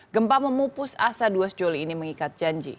gempa memupus asa dua sejoli ini mengikat janji